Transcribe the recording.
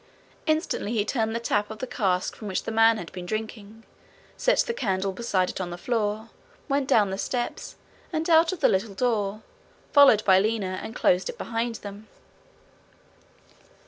Instantly he turned the tap of the cask from which the man had been drinking, set the candle beside it on the floor, went down the steps and out of the little door, followed by Lina, and closed it behind them.